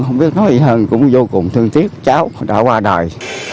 không biết nói gì hơn cũng vô cùng thương tiếc cháu đã qua đời